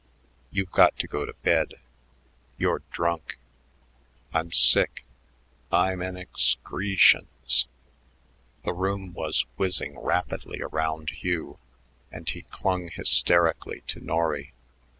You've got to go to bed. You're drunk." "I'm sick. I'm an ex cree shence." The room was whizzing rapidly around Hugh, and he clung hysterically to Norry.